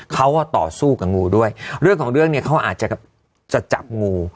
เขาต่อสู้กับงูด้วยเรื่องของเรื่องเนี่ยเขาอาจจะจับงู